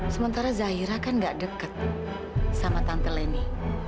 sementara zahira kan gak dekat sama tante leni